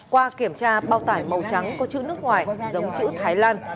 qua kiểm tra bao tải màu trắng có chữ nước ngoài giống chữ thái lan